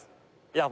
いや